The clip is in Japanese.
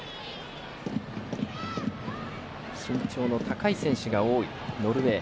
身長の高い選手が多いノルウェー。